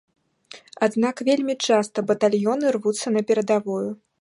Аднак вельмі часта батальёны рвуцца на перадавую.